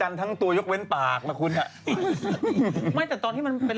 มันแม่งแต่เอาฟองออกมันก็ต้องลงน้ำอีก